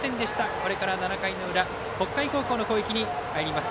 これから７回の裏北海高校の攻撃に入ります。